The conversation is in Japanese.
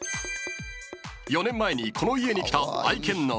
［４年前にこの家に来た愛犬の］